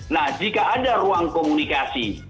nah jika ada ruang komunikasi